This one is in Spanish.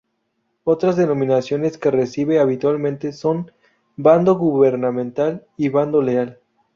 Otras denominaciones que recibe habitualmente son bando gubernamental y bando leal.